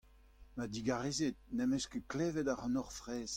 Ma digarezit, ne'm eus ket klevet ac'hanoc'h fraezh.